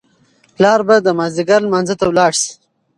پلار به د مازیګر لمانځه ته ولاړ شي.